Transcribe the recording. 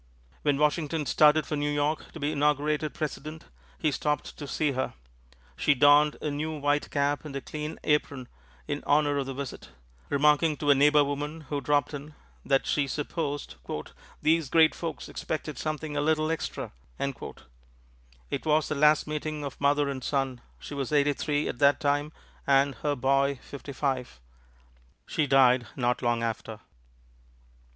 When Washington started for New York to be inaugurated President, he stopped to see her. She donned a new white cap and a clean apron in honor of the visit, remarking to a neighbor woman who dropped in that she supposed "these great folks expected something a little extra." It was the last meeting of mother and son. She was eighty three at that time and "her boy" fifty five. She died not long after.